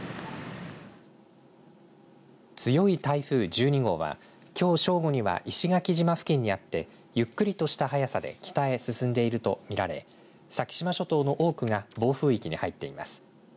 強い台風１２号はきょう正午には石垣島付近にあってゆっくりとした速さで北へ進んでいると見られ先島諸島の多くが暴風域に入っています。